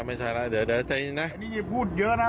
ไม่ใช่แล้วเดี๋ยวใจนะ